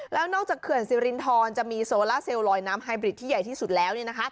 แล้วนอกจากเขื่อนสิรินทรจะมีโซล่าเซลลลอยน้ำไฮบริดที่ใหญ่ที่สุดแล้ว